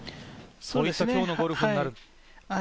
こういった今日のゴルフになる。